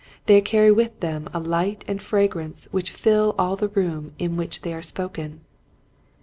They carry with them a light and fragrance which fill all the room in which they are spoken.